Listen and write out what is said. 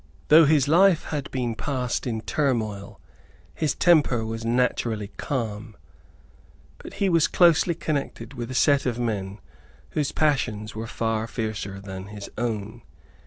Though his life had been passed in turmoil, his temper was naturally calm; but he was closely connected with a set of men whose passions were far fiercer than his own.